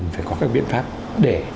phải có các biện pháp để